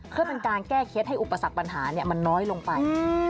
เพื่อเป็นการแก้เคล็ดให้อุปสรรคปัญหามันน้อยลงไป